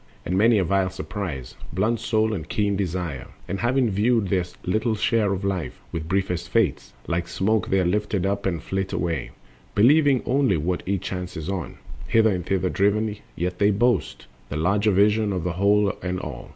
And many a vile surprise Blunts soul and keen desire. And having viewed Their little share of life, with briefest fates, Like smoke they are lifted up and flit away, Believing only what each chances on, Hither and thither driven; yet they boast The larger vision of the whole and all.